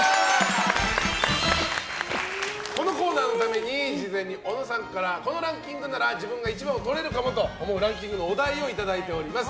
このコーナーのために事前に小野さんからこのランキングなら多分、自分が１番かもと思うランキングのお題をいただいております。